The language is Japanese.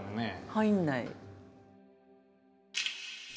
入んない。